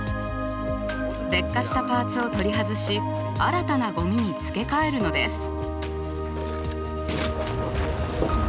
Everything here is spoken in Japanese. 劣化したパーツを取り外し新たなゴミに付け替えるのです。